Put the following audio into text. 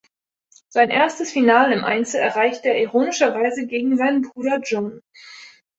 Sein erstes Finale im Einzel erreichte er ironischerweise gegen seinen Bruder John.